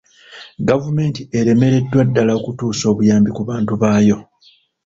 Gavumenti eremereddwa ddala okutuusa obuyambi ku bantu baayo.